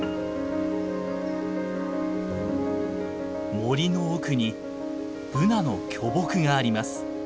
森の奥にブナの巨木があります。